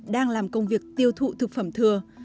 đang làm công việc tiêu thụ thực phẩm thừa